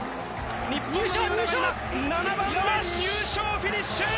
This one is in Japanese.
日本の三浦が７番目でフィニッシュ。